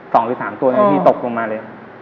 ๒หรือ๓ตัวที่ตกลงมาเลย